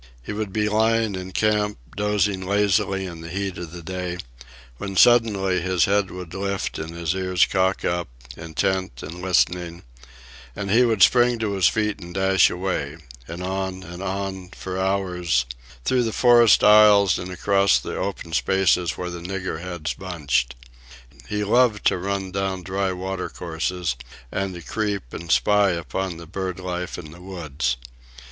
He would be lying in camp, dozing lazily in the heat of the day, when suddenly his head would lift and his ears cock up, intent and listening, and he would spring to his feet and dash away, and on and on, for hours, through the forest aisles and across the open spaces where the niggerheads bunched. He loved to run down dry watercourses, and to creep and spy upon the bird life in the woods.